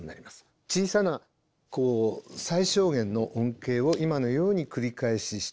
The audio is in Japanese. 小さなこう最小限の音型を今のように繰り返ししていく。